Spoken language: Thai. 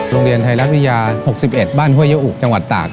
โรงเรียนไทยรัฐวิทยา๖๑บ้านห้วยยะอุจังหวัดตาก